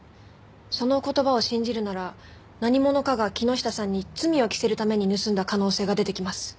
その言葉を信じるなら何者かが木下さんに罪を着せるために盗んだ可能性が出てきます。